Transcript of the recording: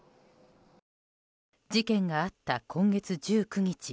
事件があった今月１９日